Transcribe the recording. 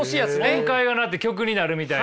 音階が鳴って曲になるみたいな。